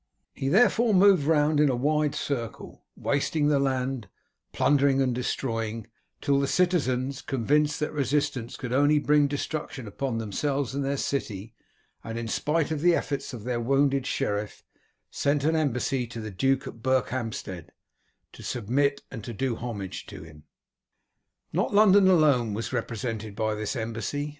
He, therefore, moved round in a wide circle, wasting the land, plundering and destroying, till the citizens, convinced that resistance could only bring destruction upon themselves and their city, and in spite of the efforts of their wounded sheriff, sent an embassy to the duke at Berkhampstead to submit and do homage to him. Not London alone was represented by this embassy.